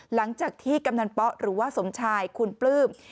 หลังจากที่กำนันป๊ะหรือว่าสมชายคุณปลื้ม